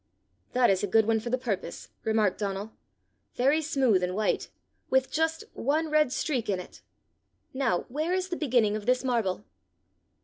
"That is a good one for the purpose," remarked Donal, " very smooth and white, with just one red streak in it! Now where is the beginning of this marble?"